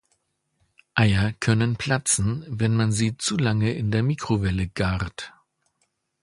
Eier können platzen, wenn man sie zu lange in der Mikrowelle gart.